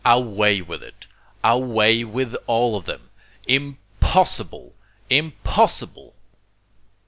Away with it. Away with all of them! Impossible! Impossible!